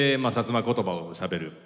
摩言葉をしゃべる。